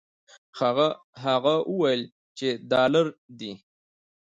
هغه وویل چې دلار دي.